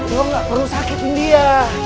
gue gak perlu sakitin dia